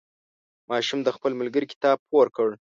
ماشوم د خپل ملګري کتاب پور کړ.